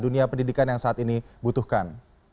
dan juga pendidikan yang saat ini butuhkan